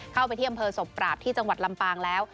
เข้าไปที่อำเภอศพปราบที่จังหวัดลำปางแล้ว